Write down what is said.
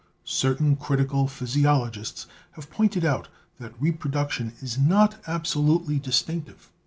Certain critical physiologists have pointed out that repro duction is not absolutely distinctive.